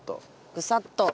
ぐさっと。